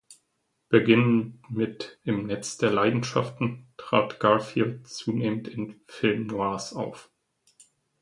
Beginnend mit "Im Netz der Leidenschaften" trat Garfield zunehmend in Film noirs auf.